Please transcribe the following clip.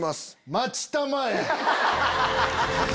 待ちたまえ。